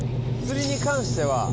釣りに関しては。